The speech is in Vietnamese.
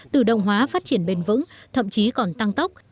tự động hóa phát triển bền vững thậm chí còn tăng tốc